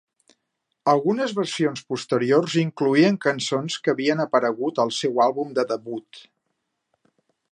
Algunes versions posteriors incloïen cançons que havien aparegut al seu àlbum de debut.